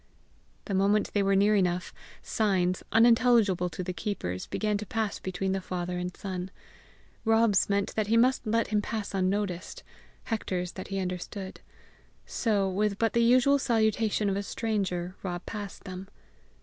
The moment they were near enough, signs, unintelligible to the keepers, began to pass between the father and son: Rob's meant that he must let him pass unnoticed; Hector's that he understood. So, with but the usual salutation of a stranger, Rob passed them.